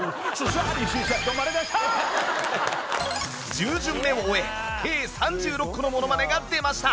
１０巡目を終え計３６個のものまねが出ました